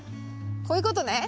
こういうことね。